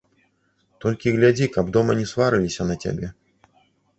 Толькі глядзі, каб дома не сварыліся на цябе.